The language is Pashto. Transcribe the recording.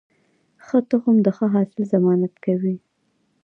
ښه تخم د ښه حاصل ضمانت کوي.